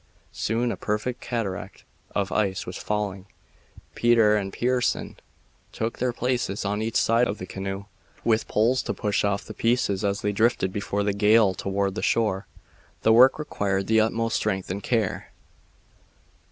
Soon a perfect cataract of ice was falling. Peter and Pearson took their places on each side of the bow of the canoe, with poles to push off the pieces as they drifted before the gale toward the shore. The work required the utmost strength and care.